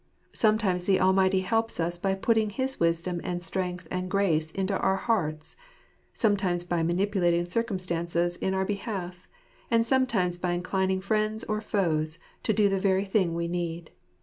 Sometimes the Almighty helps us by putting his wisdom and strength and grace into our hearts ; sometimes by manipulating circum stances in our behalf ; and sometimes by inclining friends or foes to do the very thing we need.